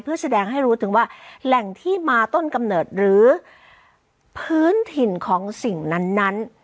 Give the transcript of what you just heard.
เพื่อแสดงให้รู้ถึงว่าแหล่งที่มาต้นกำเนิดหรือพื้นถิ่นของสิ่งนั้น